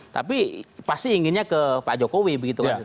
tapi pasti inginnya ke pak jokowi begitu kan